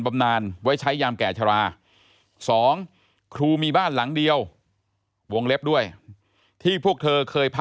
ยาท่าน้ำขาวไทยนครเพราะทุกการเดินทางของคุณจะมีแต่รอยยิ้ม